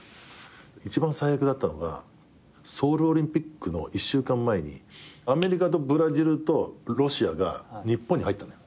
一番最悪だったのがソウルオリンピックの１週間前にアメリカとブラジルとロシアが日本に入ったのよ。